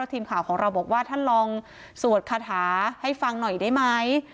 ทีมข่าวของเราบอกว่าท่านลองสวดคาถาให้ฟังหน่อยได้ไหม